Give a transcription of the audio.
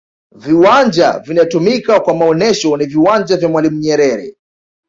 viwanja vinatumika kwa maonesho ni viwanja vya mwalimu nyerere